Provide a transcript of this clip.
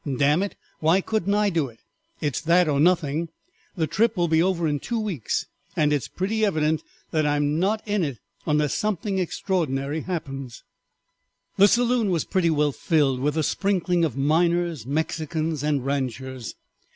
Damn it, why couldn't I do it? It is that or nothing, the trip will be over in two weeks, and it is pretty evident that I am not in it unless something extraordinary happens." II. The saloon was pretty well filled with a sprinkling of miners, Mexicans, and ranchers.